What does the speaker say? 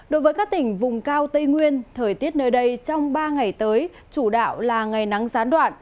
đối với các tỉnh vùng cao tây nguyên thời tiết nơi đây trong ba ngày tới chủ đạo là ngày nắng gián đoạn